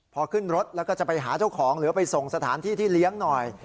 พอขึ้นรถแล้วก็จะไปหาเจ้าของหรือไปส่งสถานที่ที่เลี้ยงหน่อย